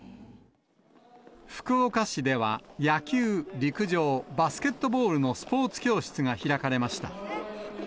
福岡市では、野球、陸上、バスケットボールのスポーツ教室が開かれました。